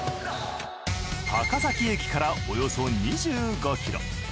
高崎駅からおよそ２５ｋｍ。